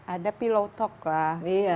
ada pilotok lah